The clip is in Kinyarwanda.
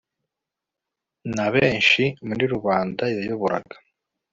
na benshi muri rubanda yayoboraga